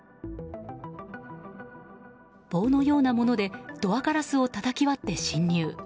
棒のようなものでドアガラスをたたき割って侵入。